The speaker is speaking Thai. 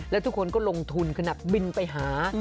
แล้วทุกคนก็ลงทุนขนาดบินไปหา